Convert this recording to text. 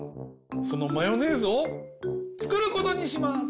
そのマヨネーズをつくることにします！